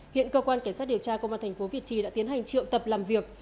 hiện cơ quan cảnh sát điều tra công an thành phố việt trì đã tiến hành triệu tập làm việc